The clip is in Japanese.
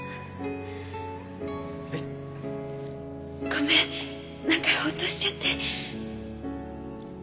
ごめんなんかホッとしちゃって。